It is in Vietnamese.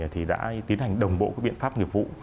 thì đã tiến hành đồng bộ các biện pháp nghiệp vụ